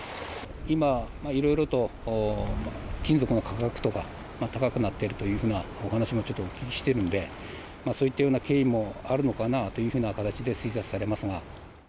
今、いろいろと金属の価格とか高くなっているというふうなお話もちょっとお聞きしてるので、そういったような経緯もあるのかなという形で推察されますが。